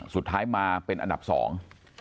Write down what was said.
สุดท้ายมาเป็นอันดับสอง